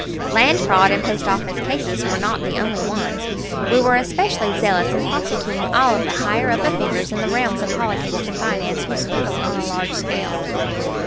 Land fraud and post office cases were not the only ones. We were especially zealous in prosecuting all of the "higher up" offenders in the realms of politics and finance who swindled on a large scale.